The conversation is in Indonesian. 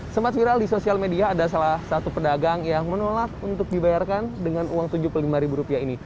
sempat viral di sosial media ada salah satu pedagang yang menolak untuk dibayarkan dengan uang rp tujuh puluh lima ini